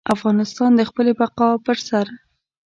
افغانستان د خپلې بقا پر سر.